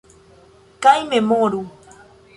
Kaj memoru!